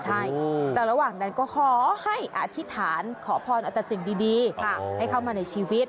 ใช่แต่ระหว่างนั้นก็ขอให้อธิษฐานขอพรอัตสิ่งดีให้เข้ามาในชีวิต